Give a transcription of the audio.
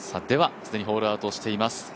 では既にホールアウトしています